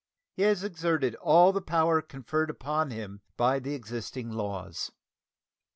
He has exerted all the power conferred upon him by the existing laws.